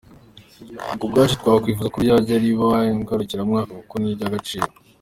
Ku bwacu twakifuza ko ryajya riba ngarukamwaka kuko ni iry’agaciro.